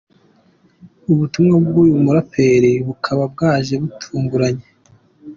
butumwa bwuyu muraperi bukaba bwaje butunguranye.